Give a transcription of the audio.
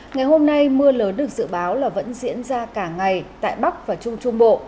ngày hôm nay mưa lớn được dự báo là vẫn diễn ra cả ngày tại bắc và trung trung bộ